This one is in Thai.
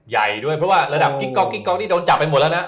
ใหญ่ด้วยเพราะว่าระดับกิ๊กก๊อกกิ๊กก๊อกนี่โดนจับไปหมดแล้วนะ